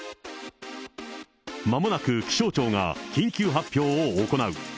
まもなく気象庁が緊急発表を行う。